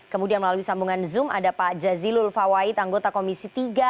kemudian melalui sambungan zoom ada pak jazilul fawait anggota komisi tiga